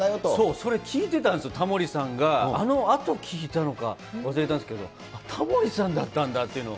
それ、聞いてたんです、タモリさんが、あのあと聞いたのか、忘れたんですけど、あ、タモリさんだったんだっていうのを。